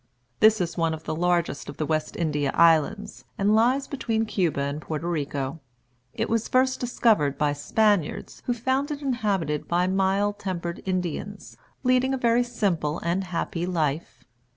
This is one of the largest of the West India Islands, and lies between Cuba and Porto Rico. It was first discovered by Spaniards, who found it inhabited by mild tempered Indians, leading a very simple and happy life.